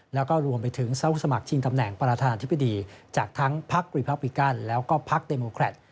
แล้วก็รวมไปถึงเสาสมัครชิงตำแหน่งประธานาธิบดีจากทั้งพักรีพับริกันแล้วก็พักเดโมแครต